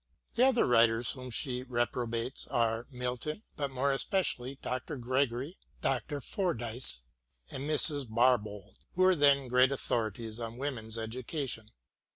The other writers whom she reprobates are Milton, but more especially Dr. Gregory, Dr. Fordyce, and Mrs. Barbauld, who were then great authorities on women's education.